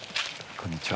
こんにちは。